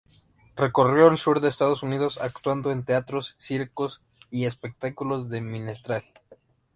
Recorrió el sur de Estados Unidos actuando en teatros, circos y espectáculos de minstrel.